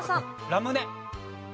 ラムネ。